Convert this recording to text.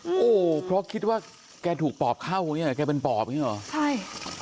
โอ้โหเพราะคิดว่าแกถูกปอบเข้าอย่างเงี้แกเป็นปอบอย่างนี้หรอใช่